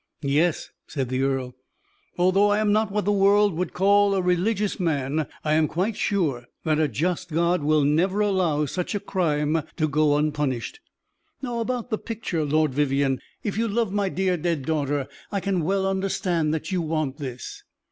"Yes," said the earl. "Although I am not what the world would call a religious man, I am quite sure that a just God will never allow such a crime to go unpunished. Now, about the picture. Lord Vivianne, if you loved my dear, dead daughter, I can well understand that you want this."